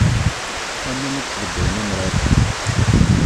Am win i yesbeddayen amrar.